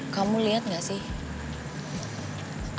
kamu liat gak sih